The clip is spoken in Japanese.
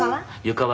「床は？」